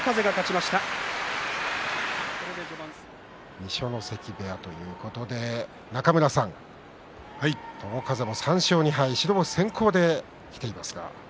二所ノ関部屋ということで中村さん友風３勝２敗、白星先行です。